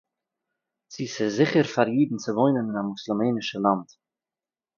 צי ס'איז זיכער פאַר אידן צו וואוינען אין אַ מוסולמענישן לאַנד